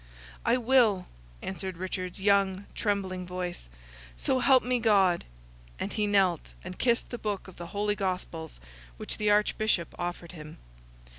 "I will!" answered Richard's young, trembling voice, "So help me God!" and he knelt, and kissed the book of the Holy Gospels, which the Archbishop offered him.